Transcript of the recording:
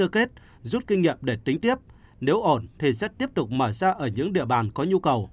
kết rút kinh nghiệm để tính tiếp nếu ổn thì sẽ tiếp tục mở ra ở những địa bàn có nhu cầu